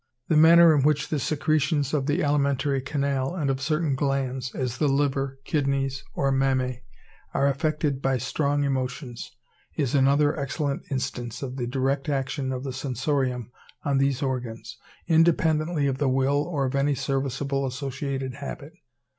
The manner in which the secretions of the alimentary canal and of certain glands—as the liver, kidneys, or mammæ are affected by strong emotions, is another excellent instance of the direct action of the sensorium on these organs, independently of the will or of any serviceable associated habit.